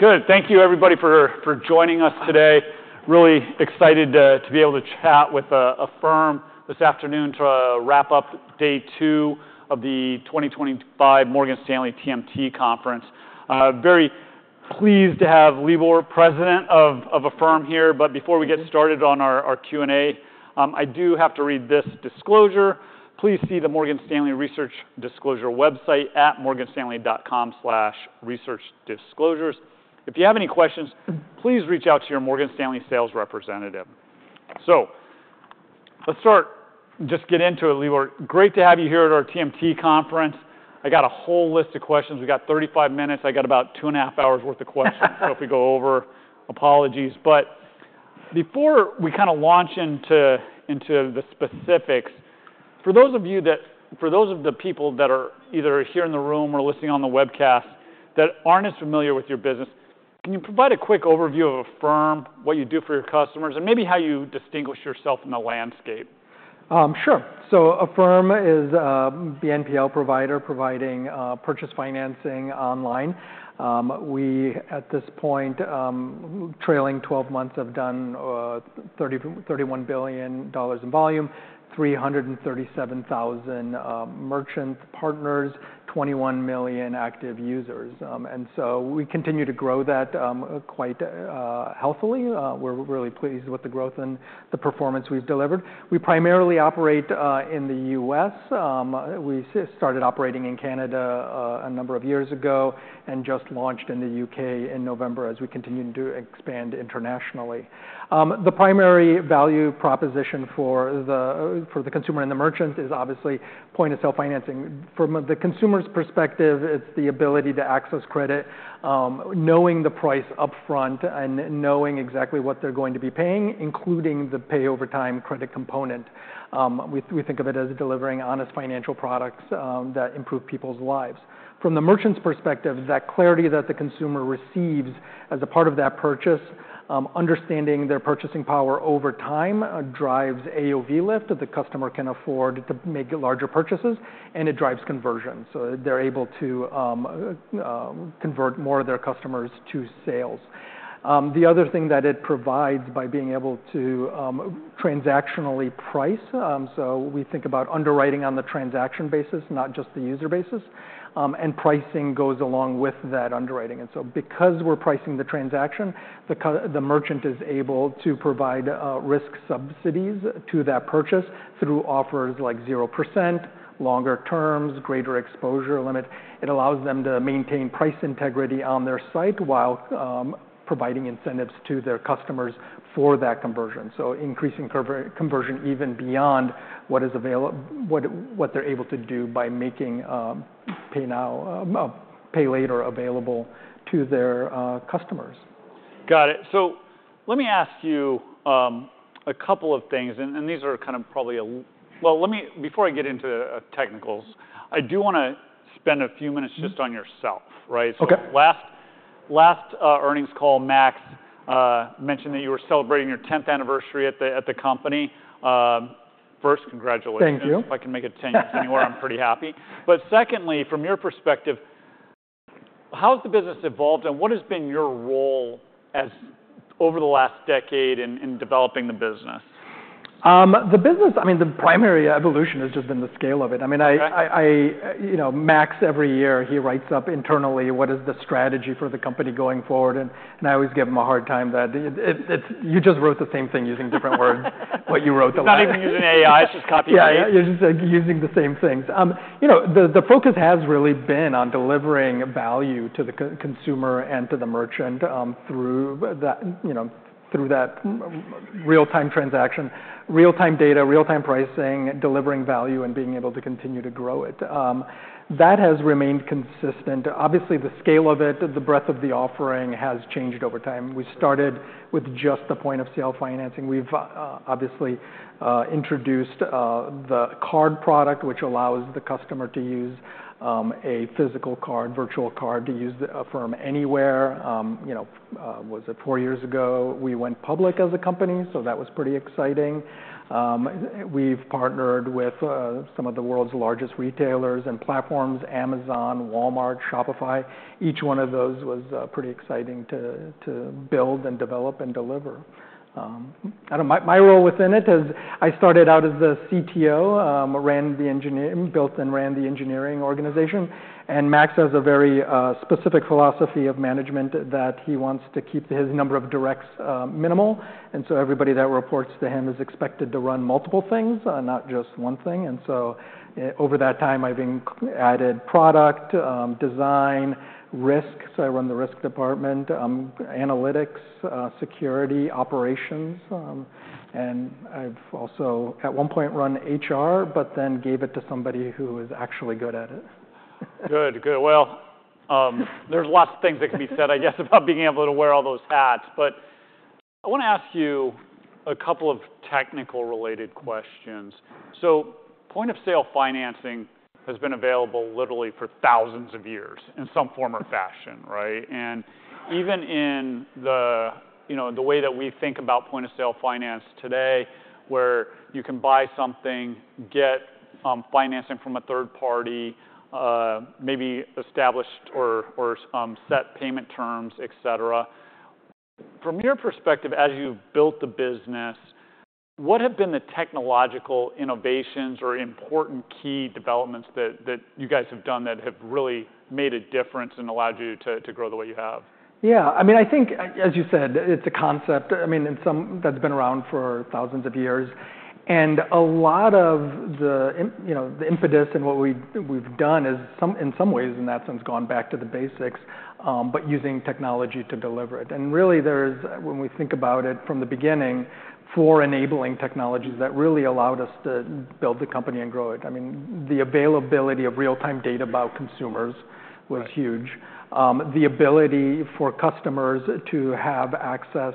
Good. Thank you, everybody, for joining us today. Really excited to be able to chat with Affirm this afternoon to wrap up day two of the 2025 Morgan Stanley TMT Conference. Very pleased to have Libor, President of Affirm, here. But before we get started on our Q&A, I do have to read this disclosure. Please see the Morgan Stanley Research Disclosure website at morganstanley.com/researchdisclosures. If you have any questions, please reach out to your Morgan Stanley sales representative. So let's start, just get into it, Libor. Great to have you here at our TMT Conference. I got a whole list of questions. We got 35 minutes. I got about two and a half hours' worth of questions, so if we go over, apologies. But before we kind of launch into the specifics, for those of the people that are either here in the room or listening on the webcast that aren't as familiar with your business, can you provide a quick overview of Affirm, what you do for your customers, and maybe how you distinguish yourself in the landscape? Sure, so Affirm is a BNPL provider providing purchase financing online. We, at this point, trailing 12 months, have done $31 billion in volume, 337,000 merchant partners, 21 million active users, and so we continue to grow that quite healthily. We're really pleased with the growth and the performance we've delivered. We primarily operate in the U.S. We started operating in Canada a number of years ago and just launched in the U.K. in November as we continue to expand internationally. The primary value proposition for the consumer and the merchant is obviously point-of-sale financing. From the consumer's perspective, it's the ability to access credit, knowing the price upfront, and knowing exactly what they're going to be paying, including the pay-over-time credit component. We think of it as delivering honest financial products that improve people's lives. From the merchant's perspective, that clarity that the consumer receives as a part of that purchase, understanding their purchasing power over time drives AOV lift, that the customer can afford to make larger purchases, and it drives conversion. So they're able to convert more of their customers to sales. The other thing that it provides by being able to transactionally price, so we think about underwriting on the transaction basis, not just the user basis, and pricing goes along with that underwriting. And so because we're pricing the transaction, the merchant is able to provide risk subsidies to that purchase through offers like 0%, longer terms, greater exposure limit. It allows them to maintain price integrity on their site while providing incentives to their customers for that conversion. So increasing conversion even beyond what is available, what they're able to do by making Pay Now, Pay Later available to their customers. Got it. So let me ask you a couple of things. And these are kind of, well, before I get into the technicals, I do want to spend a few minutes just on yourself, right? Okay. So last earnings call, Max mentioned that you were celebrating your 10th anniversary at the company. First, congratulations. Thank you. If I can make it 10 years anywhere, I'm pretty happy. But secondly, from your perspective, how has the business evolved, and what has been your role over the last decade in developing the business? The business, I mean, the primary evolution has just been the scale of it. I mean, I, you know, Max, every year, he writes up internally what is the strategy for the company going forward. And I always give him a hard time that you just wrote the same thing using different words, but you wrote the line. Not even using AI, it's just copyright. Yeah, you're just using the same things. You know, the focus has really been on delivering value to the consumer and to the merchant through that, you know, through that real-time transaction, real-time data, real-time pricing, delivering value, and being able to continue to grow it. That has remained consistent. Obviously, the scale of it, the breadth of the offering has changed over time. We started with just the point-of-sale financing. We've obviously introduced the card product, which allows the customer to use a physical card, virtual card, to use Affirm anywhere. You know, was it four years ago? We went public as a company, so that was pretty exciting. We've partnered with some of the world's largest retailers and platforms: Amazon, Walmart, Shopify. Each one of those was pretty exciting to build and develop and deliver. I don't know, my role within it is I started out as the CTO, ran the engineering, built and ran the engineering organization. And Max has a very specific philosophy of management that he wants to keep his number of directs minimal. And so everybody that reports to him is expected to run multiple things, not just one thing. And so over that time, I've added product, design, risk. So I run the risk department, analytics, security, operations. And I've also, at one point, run HR, but then gave it to somebody who is actually good at it. Good, good. Well, there's lots of things that can be said, I guess, about being able to wear all those hats. But I want to ask you a couple of technical-related questions. So point-of-sale financing has been available literally for thousands of years in some form or fashion, right? And even in the, you know, the way that we think about point-of-sale finance today, where you can buy something, get financing from a third party, maybe established or set payment terms, et cetera. From your perspective, as you've built the business, what have been the technological innovations or important key developments that you guys have done that have really made a difference and allowed you to grow the way you have? Yeah. I mean, I think, as you said, it's a concept, I mean, that's been around for thousands of years. And a lot of the, you know, the impetus and what we've done is, in some ways, in that sense, gone back to the basics, but using technology to deliver it. And really, there's, when we think about it from the beginning, four enabling technologies that really allowed us to build the company and grow it. I mean, the availability of real-time data about consumers was huge. The ability for customers to have access to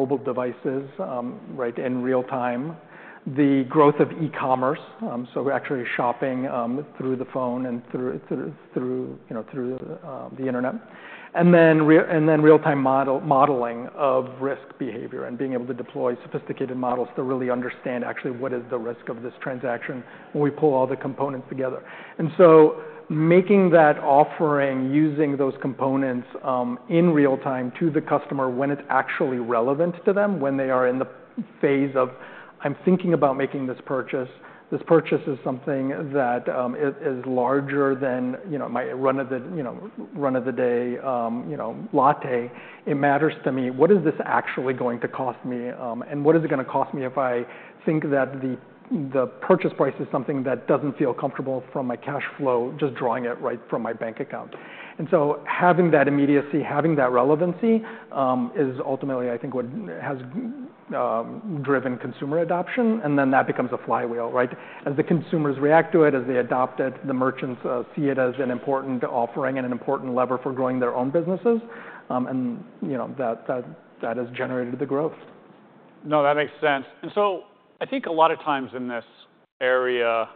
mobile devices, right, in real time. The growth of e-commerce, so actually shopping through the phone and through, you know, through the internet. And then real-time modeling of risk behavior and being able to deploy sophisticated models to really understand actually what is the risk of this transaction when we pull all the components together. And so making that offering, using those components in real time to the customer when it's actually relevant to them, when they are in the phase of, "I'm thinking about making this purchase. This purchase is something that is larger than, you know, my run-of-the-mill, you know, latte. It matters to me. What is this actually going to cost me? And what is it going to cost me if I think that the purchase price is something that doesn't feel comfortable from my cash flow, just drawing it right from my bank account?" And so having that immediacy, having that relevancy is ultimately, I think, what has driven consumer adoption. And then that becomes a flywheel, right? As the consumers react to it, as they adopt it, the merchants see it as an important offering and an important lever for growing their own businesses. You know, that has generated the growth. No, that makes sense. And so I think a lot of times in this area,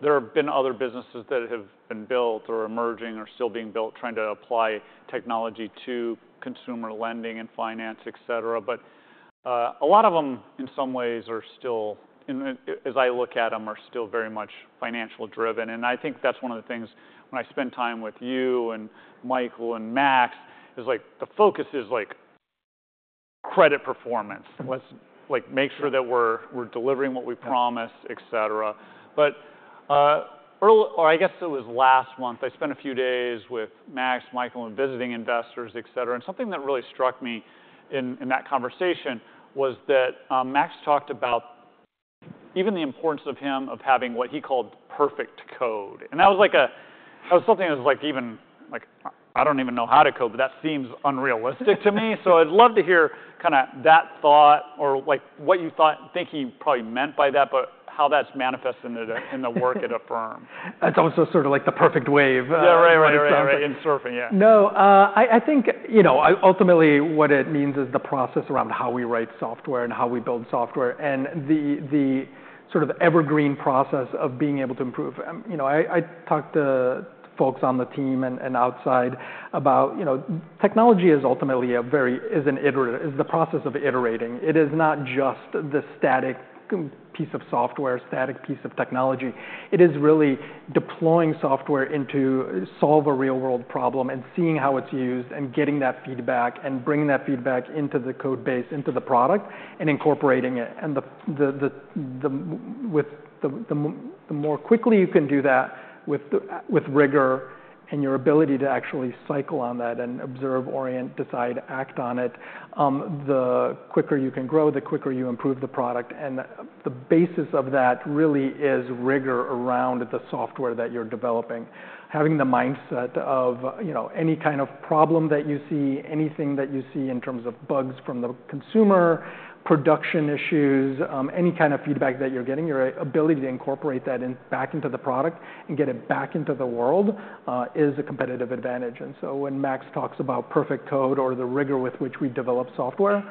there have been other businesses that have been built or emerging or still being built, trying to apply technology to consumer lending and finance, et cetera. But a lot of them, in some ways, are still, as I look at them, are still very much financial-driven. And I think that's one of the things when I spend time with you and Michael and Max, is like the focus is like credit performance. Let's make sure that we're delivering what we promise, et cetera. But earlier, or I guess it was last month, I spent a few days with Max, Michael, and visiting investors, et cetera. And something that really struck me in that conversation was that Max talked about even the importance of him of having what he called perfect code. That was something that was like even, like, I don't even know how to code, but that seems unrealistic to me, so I'd love to hear kind of that thought or like what you think he probably meant by that, but how that's manifested in the work at Affirm. That's also sort of like the perfect wave. Yeah, right, right, right. In surfing, yeah. No, I think, you know, ultimately what it means is the process around how we write software and how we build software and the sort of evergreen process of being able to improve. You know, I talked to folks on the team and outside about, you know, technology is ultimately a very, is an iterator, is the process of iterating. It is not just the static piece of software, static piece of technology. It is really deploying software into solving a real-world problem and seeing how it's used and getting that feedback and bringing that feedback into the code base, into the product, and incorporating it. And the more quickly you can do that with rigor and your ability to actually cycle on that and observe, orient, decide, act on it, the quicker you can grow, the quicker you improve the product. And the basis of that really is rigor around the software that you're developing. Having the mindset of, you know, any kind of problem that you see, anything that you see in terms of bugs from the consumer, production issues, any kind of feedback that you're getting, your ability to incorporate that back into the product and get it back into the world is a competitive advantage. And so when Max talks about perfect code or the rigor with which we develop software,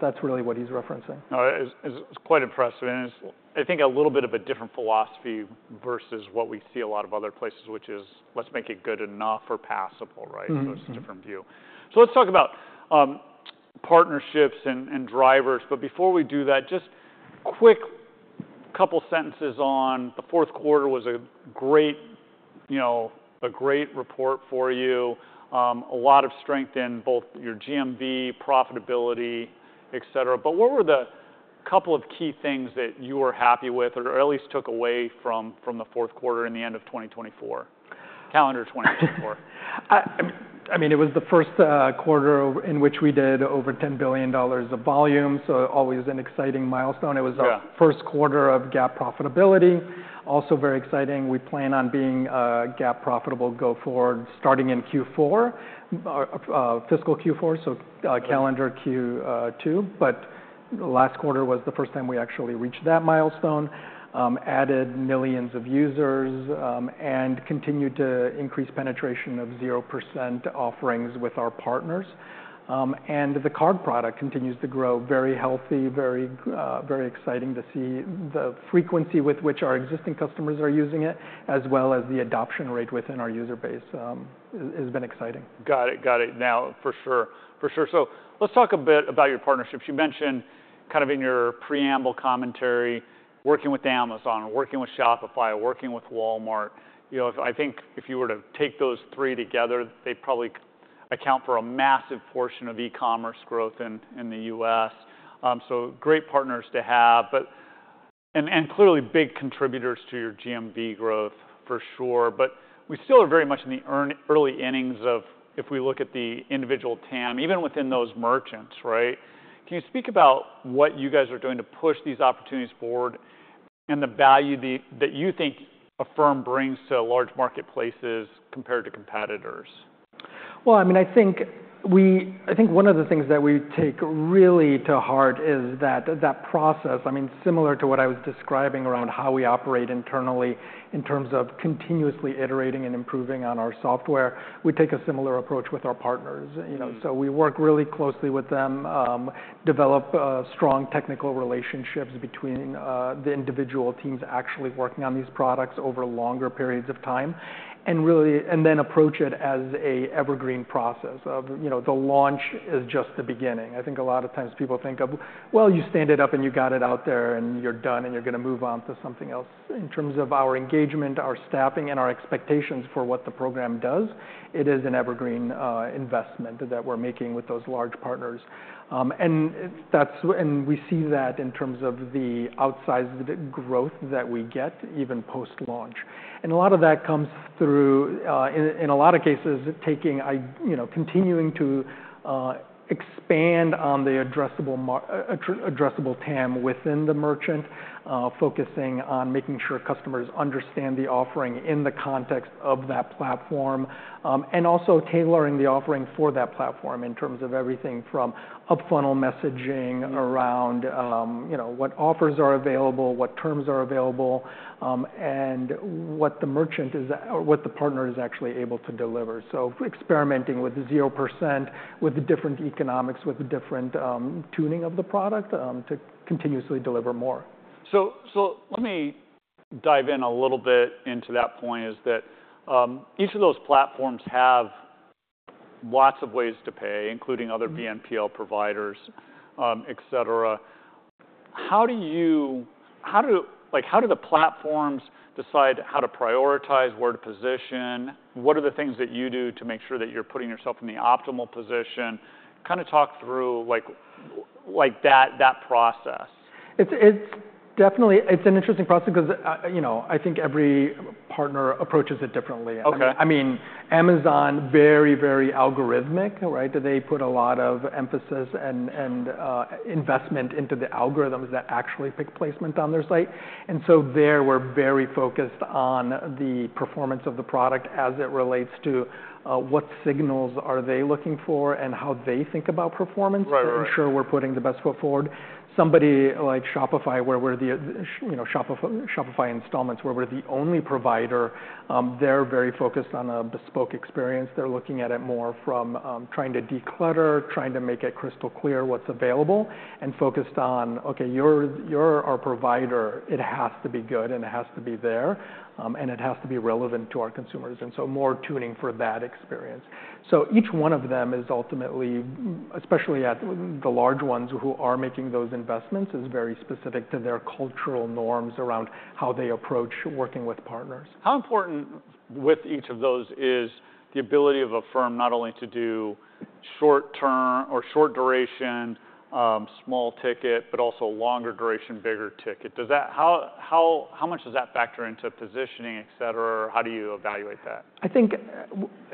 that's really what he's referencing. No, it's quite impressive. And it's, I think, a little bit of a different philosophy versus what we see a lot of other places, which is let's make it good enough or passable, right? So it's a different view. So let's talk about partnerships and drivers. But before we do that, just quick couple sentences on the fourth quarter was a great, you know, a great report for you. A lot of strength in both your GMV, profitability, et cetera. But what were the couple of key things that you were happy with or at least took away from the fourth quarter in the end of 2024, calendar 2024? I mean, it was the first quarter in which we did over $10 billion of volume, so always an exciting milestone. It was our first quarter of GAAP profitability. Also very exciting. We plan on being GAAP profitable go forward starting in Q4, fiscal Q4, so calendar Q2, but the last quarter was the first time we actually reached that milestone, added millions of users, and continued to increase penetration of 0% offerings with our partners, and the card product continues to grow very healthy, very, very exciting to see the frequency with which our existing customers are using it, as well as the adoption rate within our user base has been exciting. Got it, got it. Now, for sure, for sure. So let's talk a bit about your partnerships. You mentioned kind of in your preamble commentary, working with Amazon, working with Shopify, working with Walmart. You know, I think if you were to take those three together, they probably account for a massive portion of e-commerce growth in the U.S. So great partners to have, but, and clearly big contributors to your GMV growth for sure. But we still are very much in the early innings of, if we look at the individual TAM, even within those merchants, right? Can you speak about what you guys are doing to push these opportunities forward and the value that you think Affirm brings to large marketplaces compared to competitors? I mean, I think one of the things that we take really to heart is that process, I mean, similar to what I was describing around how we operate internally in terms of continuously iterating and improving on our software, we take a similar approach with our partners. You know, so we work really closely with them, develop strong technical relationships between the individual teams actually working on these products over longer periods of time, and then approach it as an evergreen process of, you know, the launch is just the beginning. I think a lot of times people think of, well, you stand it up and you got it out there and you're done and you're going to move on to something else. In terms of our engagement, our staffing, and our expectations for what the program does, it is an evergreen investment that we're making with those large partners, and that's, and we see that in terms of the outsized growth that we get even post-launch. A lot of that comes through, in a lot of cases, taking, you know, continuing to expand on the addressable TAM within the merchant, focusing on making sure customers understand the offering in the context of that platform, and also tailoring the offering for that platform in terms of everything from up-funnel messaging around, you know, what offers are available, what terms are available, and what the merchant is, or what the partner is actually able to deliver, so experimenting with 0%, with different economics, with different tuning of the product to continuously deliver more. So let me dive in a little bit into that point is that each of those platforms have lots of ways to pay, including other BNPL providers, et cetera. How do you, like, how do the platforms decide how to prioritize, where to position? What are the things that you do to make sure that you're putting yourself in the optimal position? Kind of talk through like that process. It's definitely, it's an interesting process because, you know, I think every partner approaches it differently. I mean, Amazon, very, very algorithmic, right? They put a lot of emphasis and investment into the algorithms that actually pick placement on their site. And so there we're very focused on the performance of the product as it relates to what signals are they looking for and how they think about performance to ensure we're putting the best foot forward. Somebody like Shopify, where we're the, you know, Shopify Installments, where we're the only provider, they're very focused on a bespoke experience. They're looking at it more from trying to declutter, trying to make it crystal clear what's available, and focused on, okay, you're our provider. It has to be good and it has to be there and it has to be relevant to our consumers. And so more tuning for that experience. So each one of them is ultimately, especially at the large ones who are making those investments, is very specific to their cultural norms around how they approach working with partners. How important, with each of those, is the ability of Affirm not only to do short-term or short-duration, small ticket, but also longer-duration, bigger ticket? Does that, how much does that factor into positioning, et cetera? How do you evaluate that? I think,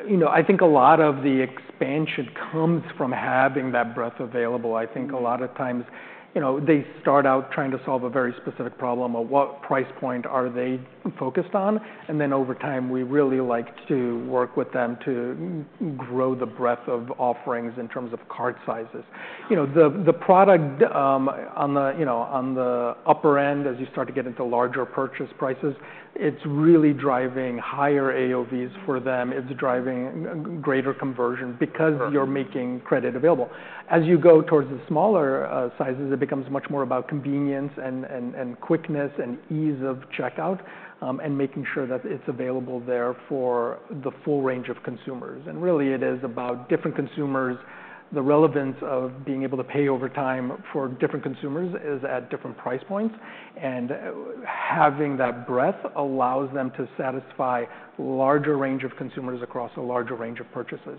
you know, I think a lot of the expansion comes from having that breadth available. I think a lot of times, you know, they start out trying to solve a very specific problem of what price point are they focused on. And then over time, we really like to work with them to grow the breadth of offerings in terms of card sizes. You know, the product on the, you know, on the upper end, as you start to get into larger purchase prices, it's really driving higher AOVs for them. It's driving greater conversion because you're making credit available. As you go towards the smaller sizes, it becomes much more about convenience and quickness and ease of checkout and making sure that it's available there for the full range of consumers. And really, it is about different consumers. The relevance of being able to pay over time for different consumers is at different price points, and having that breadth allows them to satisfy a larger range of consumers across a larger range of purchases.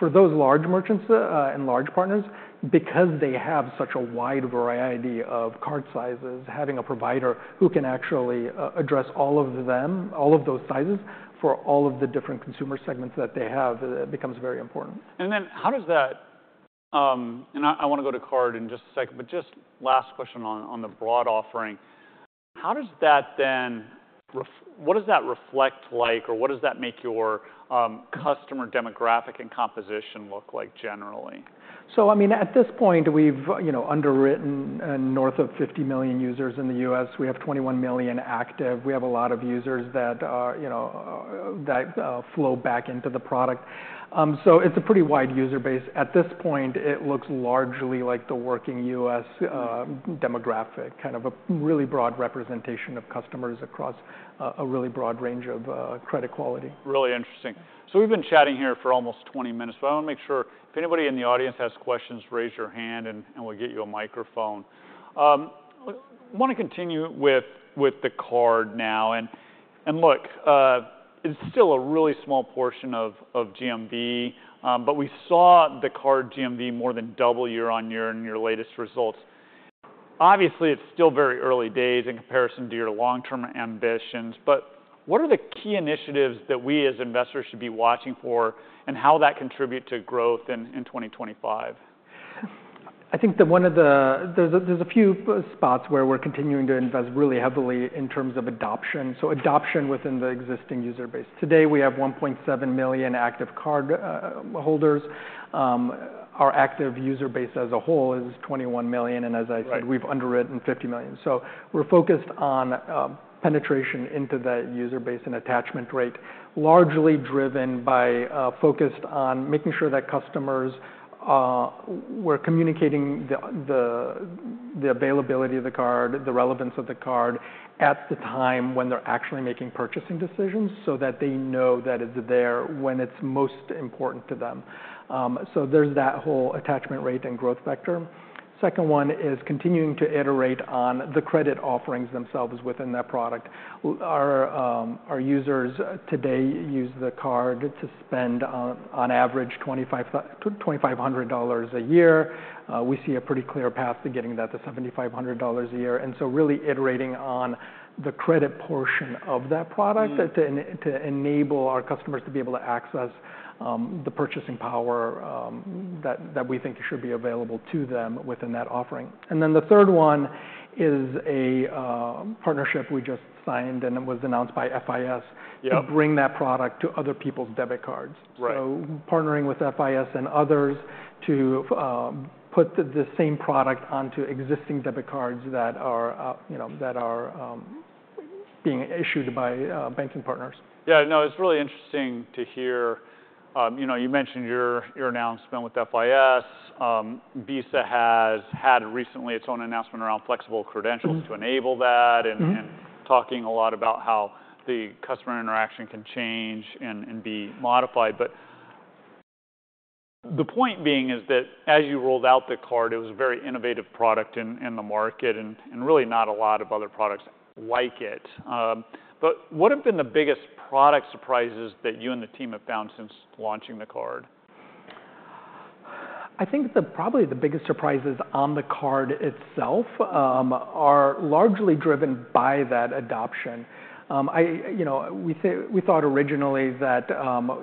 For those large merchants and large partners, because they have such a wide variety of card sizes, having a provider who can actually address all of them, all of those sizes for all of the different consumer segments that they have becomes very important. And then, how does that, and I want to go to card in just a second, but just last question on the broad offering. How does that then? What does that reflect like, or what does that make your customer demographic and composition look like generally? So I mean, at this point, we've, you know, underwritten north of 50 million users in the U.S. We have 21 million active. We have a lot of users that are, you know, that flow back into the product. So it's a pretty wide user base. At this point, it looks largely like the working U.S. demographic, kind of a really broad representation of customers across a really broad range of credit quality. Really interesting. So we've been chatting here for almost 20 minutes, but I want to make sure if anybody in the audience has questions. Raise your hand and we'll get you a microphone. I want to continue with the card now. And look, it's still a really small portion of GMV, but we saw the card GMV more than double year on year in your latest results. Obviously, it's still very early days in comparison to your long-term ambitions, but what are the key initiatives that we as investors should be watching for and how that contributes to growth in 2025? I think that one of the, there's a few spots where we're continuing to invest really heavily in terms of adoption. So adoption within the existing user base. Today, we have 1.7 million active card holders. Our active user base as a whole is 21 million. And as I said, we've underwritten 50 million. So we're focused on penetration into that user base and attachment rate, largely driven by focus on making sure that customers were communicating the availability of the card, the relevance of the card at the time when they're actually making purchasing decisions so that they know that it's there when it's most important to them. So there's that whole attachment rate and growth vector. Second one is continuing to iterate on the credit offerings themselves within that product. Our users today use the card to spend on average $2,500 a year. We see a pretty clear path to getting that to $7,500 a year. And so really iterating on the credit portion of that product to enable our customers to be able to access the purchasing power that we think should be available to them within that offering. And then the third one is a partnership we just signed and it was announced by FIS to bring that product to other people's debit cards. So partnering with FIS and others to put the same product onto existing debit cards that are, you know, being issued by banking partners. Yeah, no, it's really interesting to hear, you know, you mentioned your announcement with FIS. Visa has had recently its own announcement around flexible credentials to enable that and talking a lot about how the customer interaction can change and be modified. But the point being is that as you rolled out the card, it was a very innovative product in the market and really not a lot of other products like it. But what have been the biggest product surprises that you and the team have found since launching the card? I think that probably the biggest surprises on the card itself are largely driven by that adoption. You know, we thought originally that,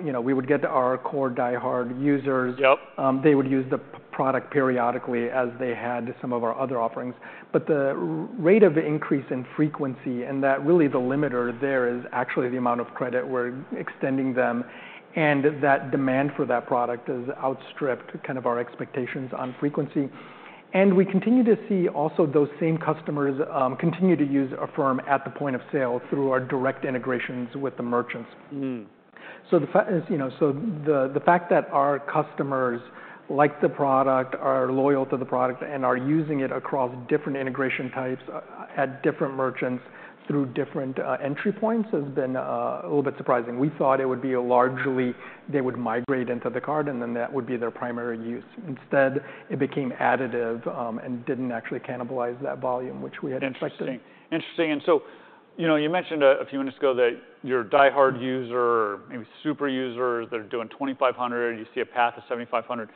you know, we would get our core diehard users. They would use the product periodically as they had some of our other offerings. But the rate of increase in frequency and that really the limiter there is actually the amount of credit we're extending them. And that demand for that product has outstripped kind of our expectations on frequency. And we continue to see also those same customers continue to use Affirm at the point of sale through our direct integrations with the merchants. So, you know, so the fact that our customers like the product, are loyal to the product, and are using it across different integration types at different merchants through different entry points has been a little bit surprising. We thought it would be largely, they would migrate into the card and then that would be their primary use. Instead, it became additive and didn't actually cannibalize that volume, which we had expected. Interesting. Interesting. And so, you know, you mentioned a few minutes ago that your diehard user, maybe super users, they're doing 2,500. You see a path of 7,500.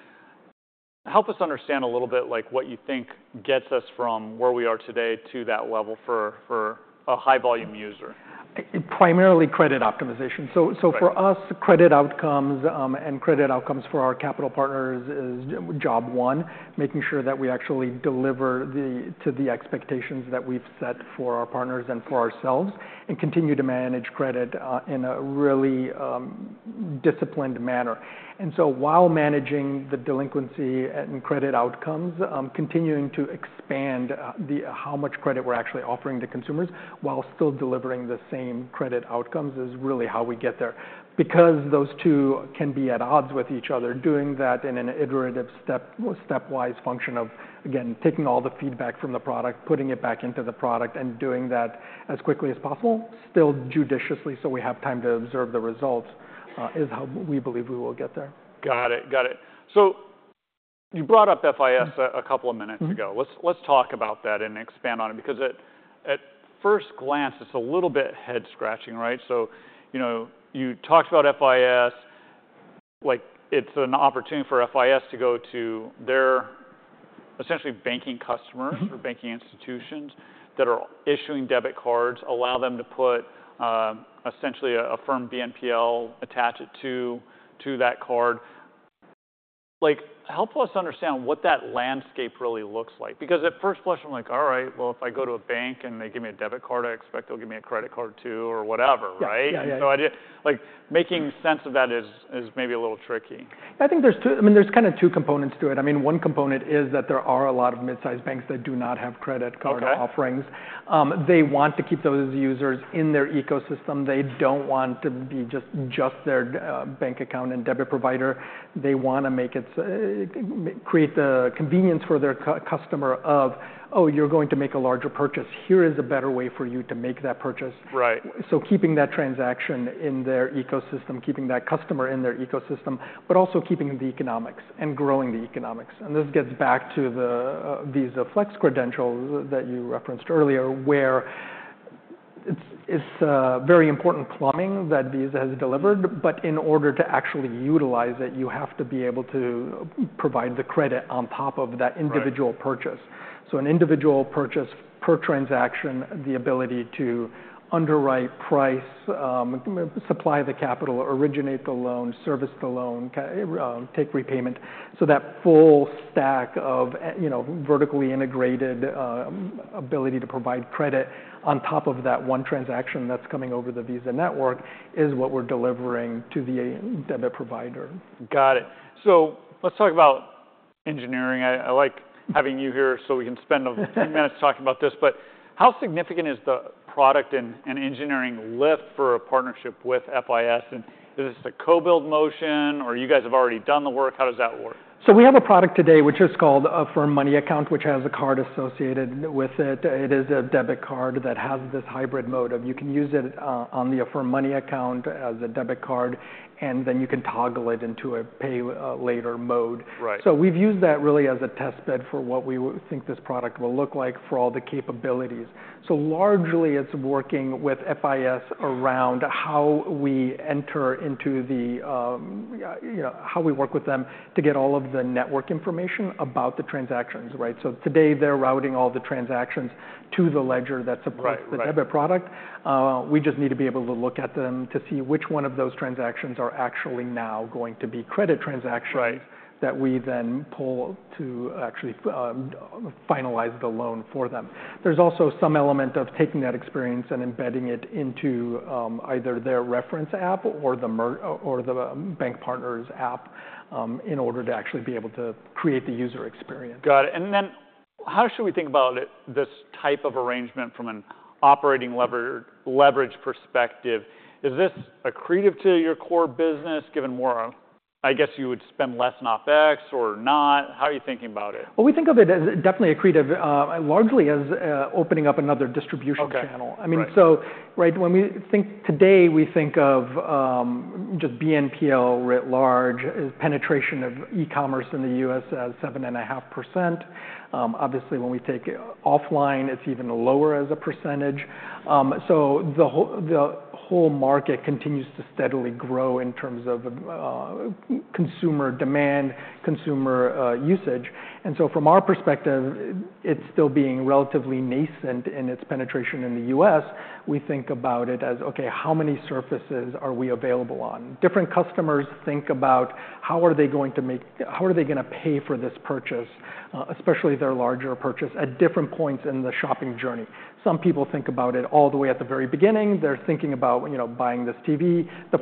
Help us understand a little bit like what you think gets us from where we are today to that level for a high volume user. Primarily credit optimization. So for us, credit outcomes and credit outcomes for our capital partners is job one, making sure that we actually deliver to the expectations that we've set for our partners and for ourselves and continue to manage credit in a really disciplined manner. And so while managing the delinquency and credit outcomes, continuing to expand how much credit we're actually offering to consumers while still delivering the same credit outcomes is really how we get there. Because those two can be at odds with each other, doing that in an iterative stepwise function of, again, taking all the feedback from the product, putting it back into the product and doing that as quickly as possible, still judiciously so we have time to observe the results is how we believe we will get there. Got it. Got it. So you brought up FIS a couple of minutes ago. Let's talk about that and expand on it because at first glance, it's a little bit head-scratching, right? So, you know, you talked about FIS, like it's an opportunity for FIS to go to their essentially banking customers or banking institutions that are issuing debit cards, allow them to put essentially an Affirm BNPL attached to that card. Like help us understand what that landscape really looks like because at first blush, I'm like, all right, well if I go to a bank and they give me a debit card, I expect they'll give me a credit card too or whatever, right? So I didn't, like making sense of that is maybe a little tricky. I think there's two, I mean, there's kind of two components to it. I mean, one component is that there are a lot of mid-sized banks that do not have credit card offerings. They want to keep those users in their ecosystem. They don't want to be just their bank account and debit provider. They want to make it, create the convenience for their customer of, oh, you're going to make a larger purchase. Here is a better way for you to make that purchase. So keeping that transaction in their ecosystem, keeping that customer in their ecosystem, but also keeping the economics and growing the economics. And this gets back to the Visa Flexible Credential that you referenced earlier, where it's very important plumbing that Visa has delivered. But in order to actually utilize it, you have to be able to provide the credit on top of that individual purchase. So an individual purchase per transaction, the ability to underwrite, price, supply the capital, originate the loan, service the loan, take repayment. So that full stack of, you know, vertically integrated ability to provide credit on top of that one transaction that's coming over the Visa network is what we're delivering to the debit provider. Got it. So let's talk about engineering. I like having you here so we can spend a few minutes talking about this, but how significant is the product and engineering lift for a partnership with FIS? And is this a co-build motion or you guys have already done the work? How does that work? We have a product today which is called Affirm Money Account, which has a card associated with it. It is a debit card that has this hybrid mode of you can use it on the Affirm Money Account as a debit card and then you can toggle it into a pay later mode. We've used that really as a testbed for what we think this product will look like for all the capabilities. Largely it's working with FIS around how we enter into the, you know, how we work with them to get all of the network information about the transactions, right? Today they're routing all the transactions to the ledger that supports the debit product. We just need to be able to look at them to see which one of those transactions are actually now going to be credit transactions that we then pull to actually finalize the loan for them. There's also some element of taking that experience and embedding it into either their reference app or the bank partner's app in order to actually be able to create the user experience. Got it. And then how should we think about this type of arrangement from an operating leverage perspective? Is this accretive to your core business given more, I guess you would spend less in OpEx or not? How are you thinking about it? We think of it as definitely accretive, largely as opening up another distribution channel. I mean, so right when we think today, we think of just BNPL writ large is penetration of e-commerce in the U.S. as 7.5%. Obviously, when we take offline, it's even lower as a percentage. So the whole market continues to steadily grow in terms of consumer demand, consumer usage. And so from our perspective, it's still being relatively nascent in its penetration in the U.S. We think about it as, okay, how many surfaces are we available on? Different customers think about how are they going to make, how are they going to pay for this purchase, especially their larger purchase at different points in the shopping journey. Some people think about it all the way at the very beginning. They're thinking about, you know, buying this TV. The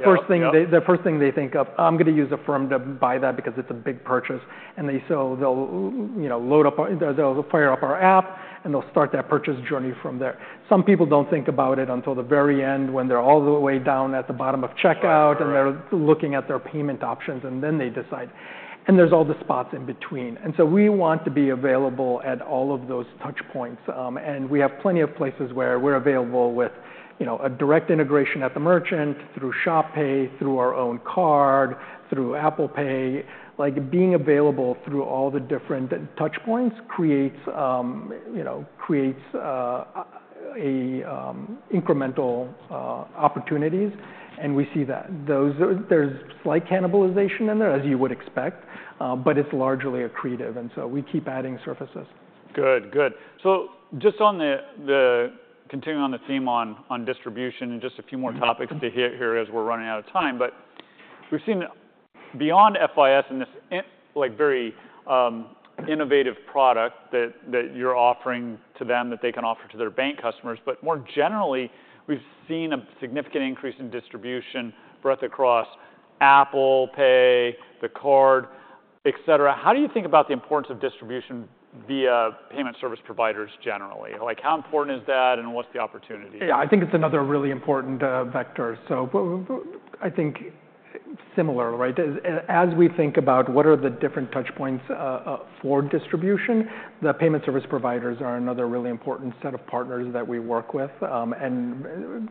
first thing they think of, I'm going to use Affirm to buy that because it's a big purchase. And so they'll, you know, load up, they'll fire up our app and they'll start that purchase journey from there. Some people don't think about it until the very end when they're all the way down at the bottom of checkout and they're looking at their payment options and then they decide. And there's all the spots in between. And so we want to be available at all of those touch points. And we have plenty of places where we're available with, you know, a direct integration at the merchant through Shop Pay, through our own card, through Apple Pay. Like being available through all the different touch points creates, you know, incremental opportunities. And we see that there's slight cannibalization in there, as you would expect, but it's largely accretive. And so we keep adding surfaces. Good. Good. So just on the continuing on the theme on distribution and just a few more topics to hit here as we're running out of time, but we've seen beyond FIS and this like very innovative product that you're offering to them that they can offer to their bank customers, but more generally, we've seen a significant increase in distribution breadth across Apple Pay, the card, et cetera. How do you think about the importance of distribution via payment service providers generally? Like how important is that and what's the opportunity? Yeah, I think it's another really important vector, so I think similar, right? As we think about what are the different touch points for distribution, the payment service providers are another really important set of partners that we work with and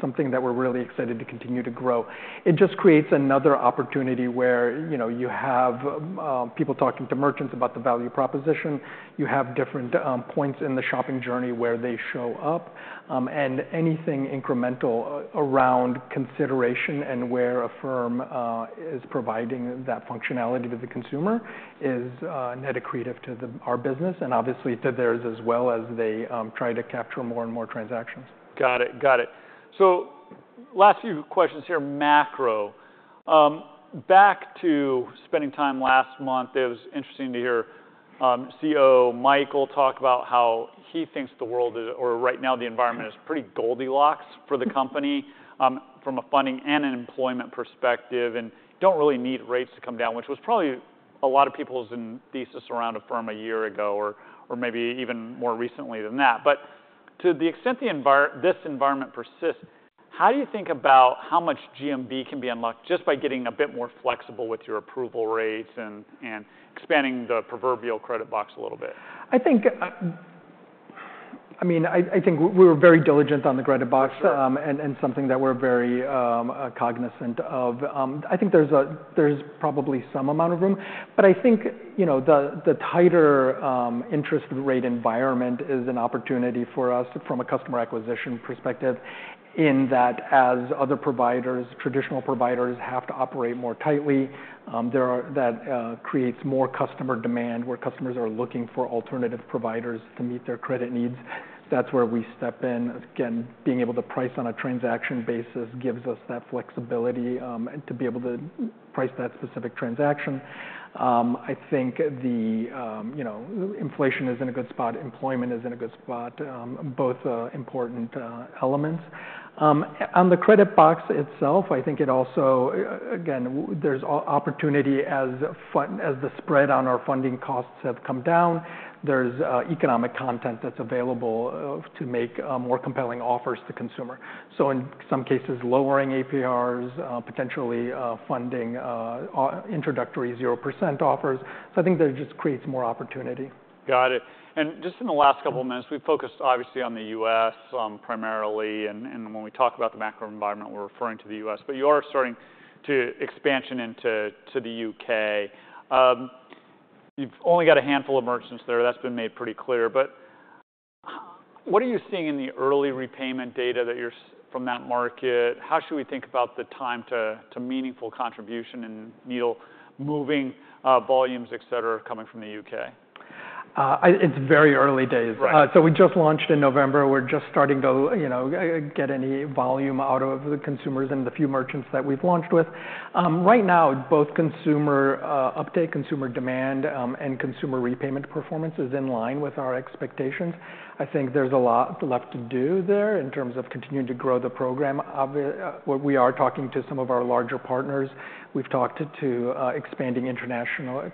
something that we're really excited to continue to grow. It just creates another opportunity where, you know, you have people talking to merchants about the value proposition. You have different points in the shopping journey where they show up, and anything incremental around consideration and where Affirm is providing that functionality to the consumer is net accretive to our business and obviously to theirs as well as they try to capture more and more transactions. Got it. Got it. So last few questions here, macro. Back to spending trends last month, it was interesting to hear CFO Michael talk about how he thinks the world right now the environment is pretty Goldilocks for the company from a funding and an employment perspective and don't really need rates to come down, which was probably a lot of people's thesis around Affirm a year ago or maybe even more recently than that. But to the extent this environment persists, how do you think about how much GMV can be unlocked just by getting a bit more flexible with your approval rates and expanding the proverbial credit box a little bit? I think, I mean, I think we were very diligent on the credit box and something that we're very cognizant of. I think there's probably some amount of room, but I think, you know, the tighter interest rate environment is an opportunity for us from a customer acquisition perspective in that as other providers, traditional providers have to operate more tightly. That creates more customer demand where customers are looking for alternative providers to meet their credit needs. That's where we step in. Again, being able to price on a transaction basis gives us that flexibility to be able to price that specific transaction. I think the, you know, inflation is in a good spot. Employment is in a good spot. Both important elements. On the credit box itself, I think it also, again, there's opportunity as the spread on our funding costs have come down. There's economic content that's available to make more compelling offers to consumer. So, in some cases, lowering APRs, potentially funding introductory 0% offers. So, I think that just creates more opportunity. Got it. And just in the last couple of minutes, we've focused obviously on the U.S. primarily. And when we talk about the macro environment, we're referring to the U.S., but you are starting to expand into the U.K. You've only got a handful of merchants there. That's been made pretty clear. But what are you seeing in the early repayment data that you're seeing from that market? How should we think about the time to meaningful contribution and needle moving volumes, et cetera, coming from the U.K.? It's very early days. So we just launched in November. We're just starting to, you know, get any volume out of the consumers and the few merchants that we've launched with. Right now, both consumer update, consumer demand, and consumer repayment performance is in line with our expectations. I think there's a lot left to do there in terms of continuing to grow the program. We are talking to some of our larger partners. We've talked to expanding international,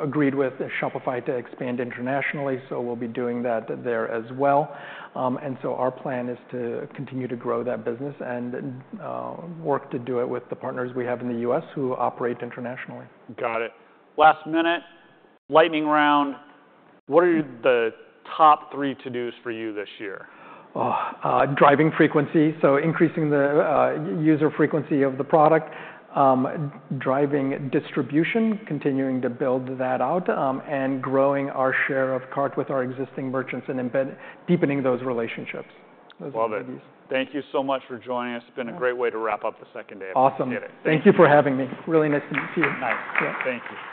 agreed with Shopify to expand internationally. So we'll be doing that there as well. And so our plan is to continue to grow that business and work to do it with the partners we have in the U.S. who operate internationally. Got it. Last minute, lightning round. What are the top three to-dos for you this year? Driving frequency. So increasing the user frequency of the product. Driving distribution, continuing to build that out and growing our share of cart with our existing merchants and deepening those relationships. Love it. Thank you so much for joining us. It's been a great way to wrap up the second day of the meeting. Awesome. Thank you for having me. Really nice to meet you. Nice. Thank you.